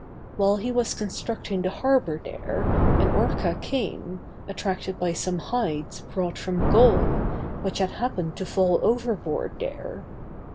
While he was constructing the harbor there, an orca came, attracted by some hides brought from Gaul, which had happened to fall overboard there.